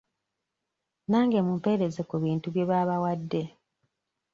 Nange mumpeereze ku bintu bye baabawadde.